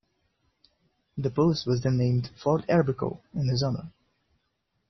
The post was then named Fort Arbuckle in his honor.